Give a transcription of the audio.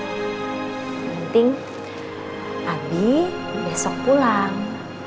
yang penting adi besok pulang